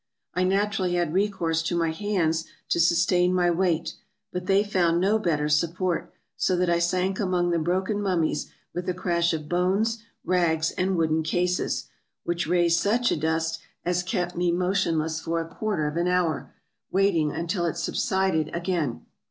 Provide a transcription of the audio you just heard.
I naturally had recourse to my hands to sustain my weight: but they found no better support, so that I sank among the broken mummies with a crash of bones, rags, and wooden cases, which raised such a dust as kept me motion 362 TRAVELERS AND EXPLORERS less for a quarter of an hour, waiting until it subsided again.